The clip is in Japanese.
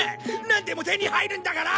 なんでも手に入るんだから！